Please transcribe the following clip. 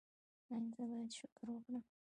ایا زه باید شکر وکړم؟